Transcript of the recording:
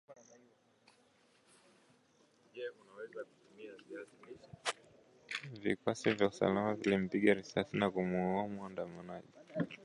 Vikosi vya usalama vilimpiga risasi na kumuuwa muandamanaji mmoja huko